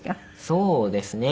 そうですね。